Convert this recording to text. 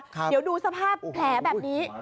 เดี๋ยวดูสภาพแผลแบบนี้